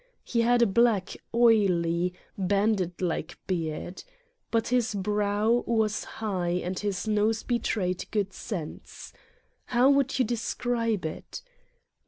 He had a black, oily, bandit like beard. But his brow was high and his nose betrayed good sense. How would you de scribe it?